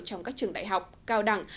trong các trường đại học cao đẳng